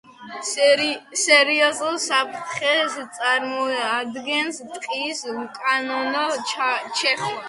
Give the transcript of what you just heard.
სერიოზულ საფრთხეს წარმოადგენს ტყის უკანონო ჩეხვა.